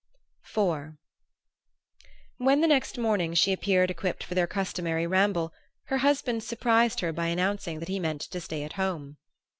IV When, the next morning, she appeared equipped for their customary ramble, her husband surprised her by announcing that he meant to stay at home.